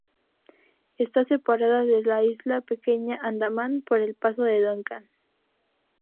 Está separada de la isla Pequeña Andamán por el paso de Duncan.